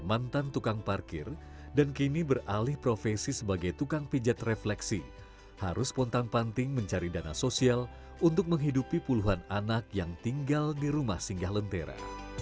mantan tukang parkir dan kini beralih profesi sebagai tukang pijat refleksi harus pontang panting mencari dana sosial untuk menghidupi puluhan anak yang tinggal di rumah singgah lentera